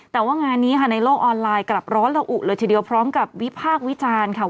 แต่ว่างานนี้ค่ะในโลกออนไลน์กลับร้อนละอุเลยทีเดียวพร้อมกับวิพากษ์วิจารณ์ค่ะ